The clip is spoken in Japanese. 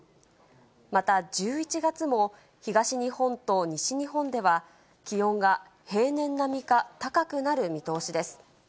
また、１１月も、東日本と西日本では気温が平年並みか高くなる見通しです。